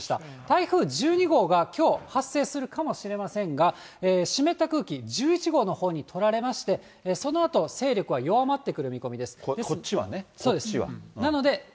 台風１２号がきょう発生するかもしれませんが、湿った空気、１１号のほうに取られまして、そのあと勢力は弱まってくる見込みです。